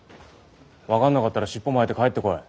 分かんなかったら尻尾巻いて帰ってこい。